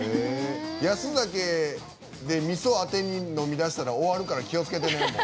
安酒でみそをあてに飲み出したら終わるから気をつけてね。